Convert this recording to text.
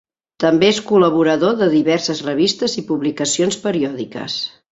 També és col·laborador de diverses revistes i publicacions periòdiques.